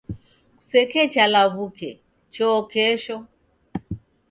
Kusekecha law'uke, choo kesho.